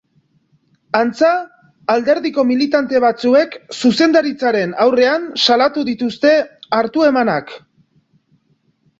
Antza, alderdiko militante batzuek zuzendaritzaren aurrean salatu dituzte hartu-emanak.